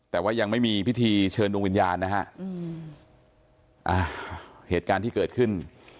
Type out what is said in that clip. แต่ว่ายังไม่มีพิธีเชิญดวงวิญญาณนะฮะอืมอ่าเหตุการณ์ที่เกิดขึ้น